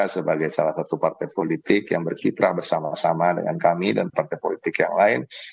sebagai salah satu partai politik yang berkiprah bersama sama dengan kami dan partai politik yang lain